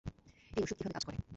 এই অষুধ কীভাবে কাজ করে।